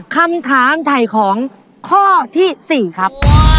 คำถามไถ่ของข้อที่๔ครับ